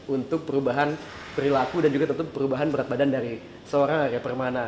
untuk perubahan perilaku dan juga tentu perubahan berat badan dari seorang arya permana